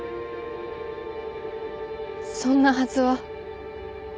そんなはずは。